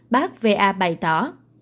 bác va bày tỏ